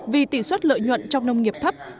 vì tỷ suất lợi nhuận trong nông nghiệp thấp